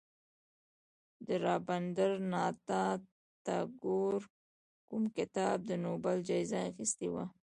د رابندر ناته ټاګور کوم کتاب د نوبل جایزه اخیستې وه.